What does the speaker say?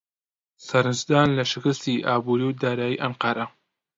سەرنجدان لە شکستی ئابووری و دارایی ئەنقەرە